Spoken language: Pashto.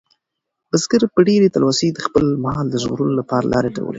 بزګر په ډېرې تلوسې د خپل مال د ژغورلو لپاره لارې لټولې.